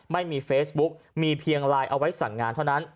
ไม่มีเฟซบุ๊กมีเพียงไลน์เอาไว้สั่งงานเท่านั้น